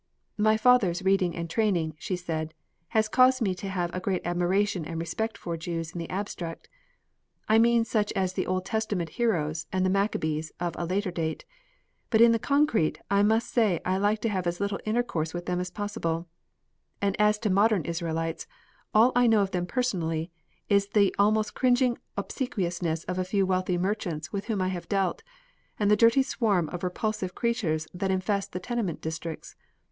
"My father's reading and training," she said, "has caused me to have a great admiration and respect for Jews in the abstract. I mean such as the Old Testament heroes and the Maccabees of a later date. But in the concrete, I must say I like to have as little intercourse with them as possible. And as to modern Israelites, all I know of them personally is the almost cringing obsequiousness of a few wealthy merchants with whom I have dealt, and the dirty swarm of repulsive creatures that infest the tenement districts.